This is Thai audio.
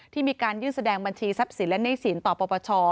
ที่มีการยื่นแสดงบัญชีทรัพย์สินและหนี้สินต่อปปช